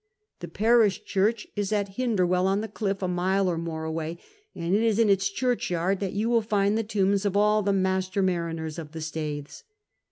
The ])arisli church is at I THE STAITHES 9 Hinderwell on the cliff, a mile and more away \ and it is in its churchyard that you will find the tombs of all the master mariners of the Staithes.